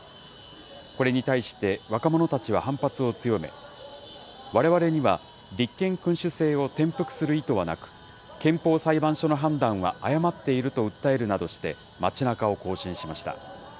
これに対して若者たちは反発を強め、われわれには立憲君主制を転覆する意図はなく、憲法裁判所の判断は誤っていると訴えるなどして、町なかを行進しました。